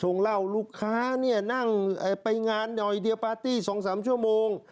เล่าลูกค้าเนี่ยนั่งไปงานหน่อยเดียวปาร์ตี้๒๓ชั่วโมง